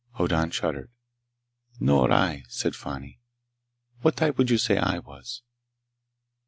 Hoddan shuddered. "Nor I," said Fani. "What type would you say I was?"